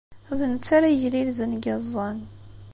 D netta ara yeglilzen deg yiẓẓan.